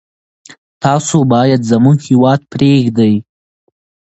تاسي باید زموږ هیواد پرېږدی.